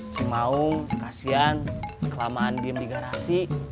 si maung kasian kelamaan diem di garasi